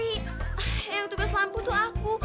yang bertugas bawa lampu itu aku